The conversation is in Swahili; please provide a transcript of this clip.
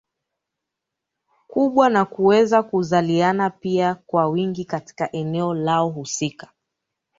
kubwa na kuweza kuzaliana pia kwa wingi katika eneo lao husika